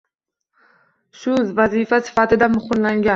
Shu vazifa sifatida muhrlangan.